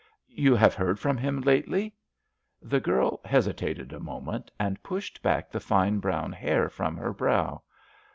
"You have heard from him lately?" The girl hesitated a moment, and pushed back the fine brown hair from her brow.